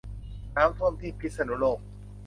น้ำท่วมที่พิษณุโลก